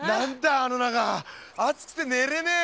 あの中暑くて寝れねえよ。